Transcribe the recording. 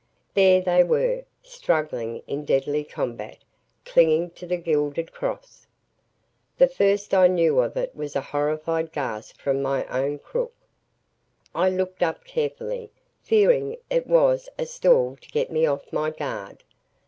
There they were, struggling in deadly combat, clinging to the gilded cross. The first I knew of it was a horrified gasp from my own crook. I looked up carefully, fearing it was a stall to get me off my guard.